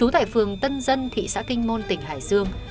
tại phường tân dân thị xã kinh môn tỉnh hải dương